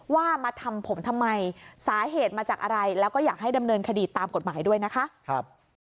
ว่ามาทำผมทำไมสาเหตุมาจากอะไรแล้วก็อยากให้ดำเนินคดีตามกฎหมายด้วยนะคะ